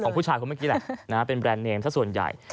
ผู้ชายคนเมื่อกี้แหละเป็นแบรนด์เนมสักส่วนใหญ่